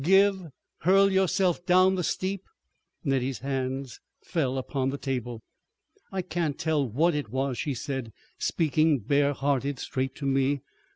'Give?' Hurl yourself down the steep?" Nettie's hands fell upon the table. "I can't tell what it was," she said, speaking bare hearted straight to me.